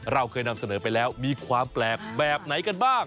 เราเคยนำเสนอไปแล้วมีความแปลกแบบไหนกันบ้าง